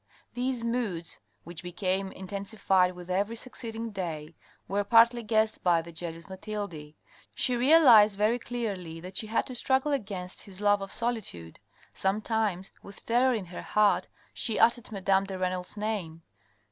These moods, which became intensified with every succeed ing day, were partly guessed by the jealous Mathilde. She realised very clearly that she had to struggle against his love of solitude. Sometimes, with terror in her heart, she uttered madame de Renal's name.